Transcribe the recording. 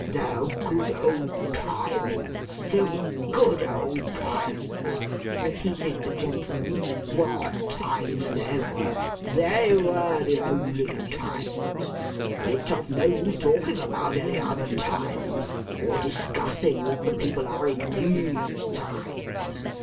'The good old times, the good old times,' repeated the gentleman. 'What times they were! They were the only times. It's of no use talking about any other times, or discussing what the people are in these times.